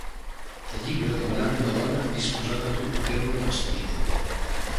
Al llibre demanava una dona disposada a dur a terme l'experiment.